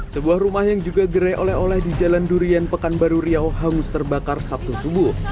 sebuah rumah yang juga gerai oleh oleh di jalan durian pekanbaru riau hangus terbakar sabtu subuh